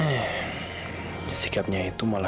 eh sikapnya itu malah